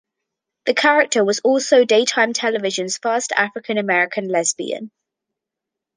The character was also daytime television's first African-American lesbian.